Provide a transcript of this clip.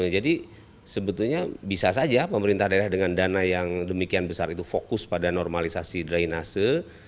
jadi sebetulnya bisa saja pemerintah daya dengan dana yang demikian besar itu fokus pada normalisasi drainase